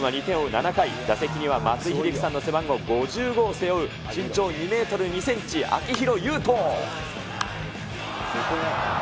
７回、打席には松井秀喜さんの背番号５５を背負う身長２メートル２センチ、秋広優人。